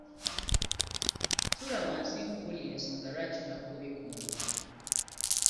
Tuula wansi nkubuulire ensonga lwaki nakugobye ku mulimu.